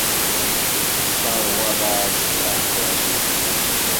Tesseṛwaḍ-as leɛtab i ugdud-ik.